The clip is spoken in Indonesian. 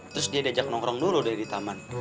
terus dia diajak nongkrong dulu dari taman